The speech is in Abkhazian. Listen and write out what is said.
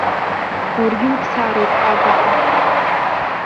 Уаргьы уцароуп агаҟа.